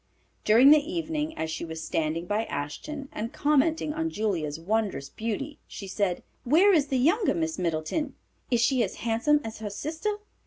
During the evening, as she was standing by Ashton and commenting on Julia's wondrous beauty, she said, "Where is the younger Miss Middleton? Is she as handsome as her sister?"